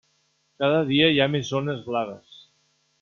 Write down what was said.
Cada dia hi ha més zones blaves.